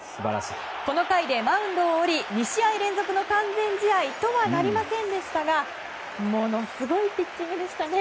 この回でマウンドを降り２試合連続の完全試合とはなりませんでしたがものすごいピッチングでしたね